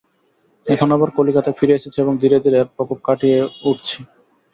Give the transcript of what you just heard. এখন আবার কলিকাতায় ফিরে এসেছি এবং ধীরে ধীরে এর প্রকোপ কাটিয়ে উঠছি।